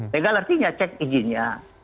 legal artinya cek izinnya